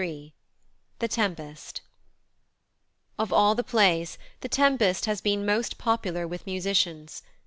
THE TEMPEST Of all the plays The Tempest has been most popular with musicians.